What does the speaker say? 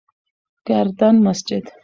گردن مسجد: